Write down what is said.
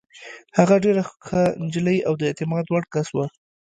هغه ډېره ښه نجلۍ او د اعتماد وړ کس وه.